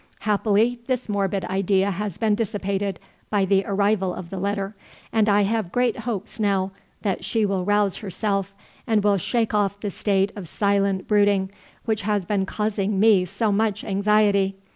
Happily this morbid idea has been dissipated by the arrival of the letter, and I have great hopes now that she will rouse herself, and will shake off the state of silent brooding which has been causing me so much anxiety.